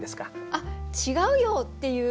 あっ「違うよ！」っていう。